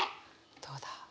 どうだ？